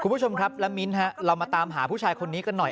คุณผู้ชมครับและมิ้นฮะเรามาตามหาผู้ชายคนนี้กันหน่อย